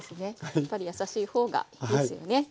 やっぱり優しいほうがいいですよね。